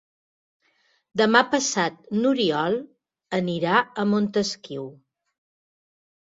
Demà passat n'Oriol anirà a Montesquiu.